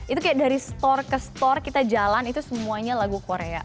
itu kayak dari store ke store kita jalan itu semuanya lagu korea